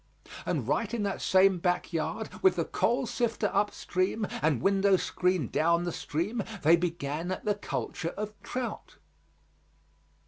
And right in that same back yard with the coal sifter up stream and window screen down the stream, they began the culture of trout.